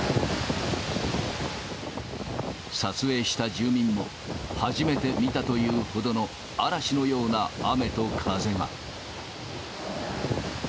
撮影した住民も初めて見たというほどの、嵐のような雨と風が。